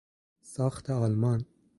ساخت آلمان